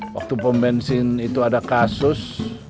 waktu pomensin itu ada kasus